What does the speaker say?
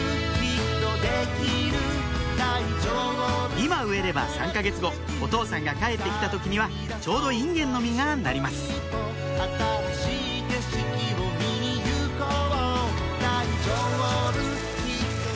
今植えれば３か月後お父さんが帰ってきた時にはちょうどインゲンの実がなりますおう！